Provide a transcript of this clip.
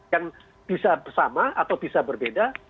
yang bisa bersama atau bisa berbeda